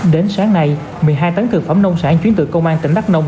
đến sáng nay một mươi hai tấn thực phẩm nông sản chuyển từ công an tỉnh đắk nông